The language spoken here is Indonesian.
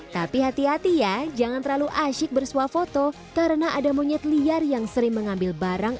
tapi hati hati ya jangan terlalu asyik bersuah foto karena ada monyet liar yang sering mengambil barang